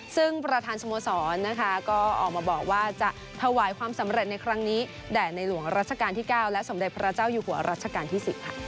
ซึ่งประธานสโมสรนะคะก็ออกมาบอกว่าจะถวายความสำเร็จในครั้งนี้แด่ในหลวงรัชกาลที่๙และสมเด็จพระเจ้าอยู่หัวรัชกาลที่๑๐ค่ะ